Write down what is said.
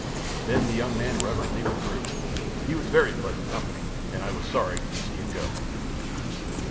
Then the young man reverently withdrew. He was very pleasant company, and I was sorry to see him go.